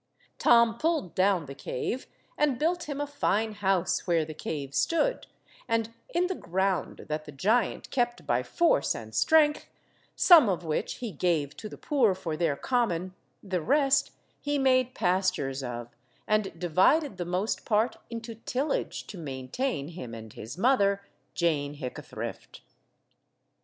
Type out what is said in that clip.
Tom pulled down the cave and built him a fine house where the cave stood, and in the ground that the giant kept by force and strength, some of which he gave to the poor for their common, the rest he made pastures of, and divided the most part into tillage to maintain him and his mother, Jane Hickathrift.